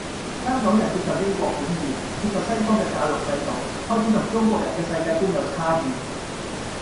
香港人接受英國管治，接受西方嘅教育制度，開始同中國人嘅世界觀有差異